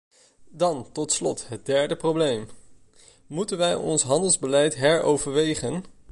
Dan tot slot het derde probleem: moeten wij ons handelsbeleid heroverwegen?